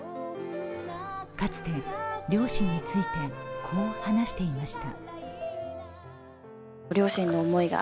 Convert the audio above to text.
かつて両親について、こう話していました。